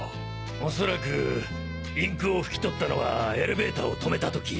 おそらくインクを拭き取ったのはエレベーターを止めた時。